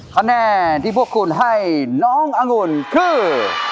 คะแนนที่พวกคุณให้น้ององุ่นคือ